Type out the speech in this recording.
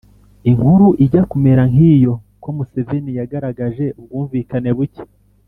inkuru ijya kumera nk’iyo, ko “museveni yagaragaje ubwumvikane buke